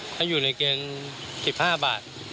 ถ้าอยู่ในเกง๑๕บาท